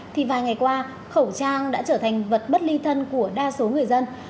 thì vài ngày qua khẩu trang đã trở thành vật bất ly thân của đa số người dân